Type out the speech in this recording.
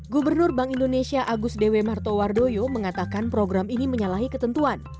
gubernur bank indonesia agus dewi martowardoyo mengatakan program ini menyalahi ketentuan